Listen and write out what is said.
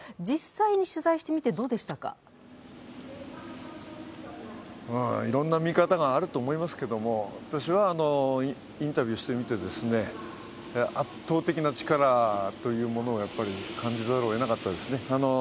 実際に取材してみて、どうでしたかいろんな見方があると思いますけれども、私はインタビューしてみて圧倒的な力というものを感じざるをえなかったですね。